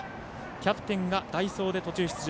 キャプテンが代走で途中出場。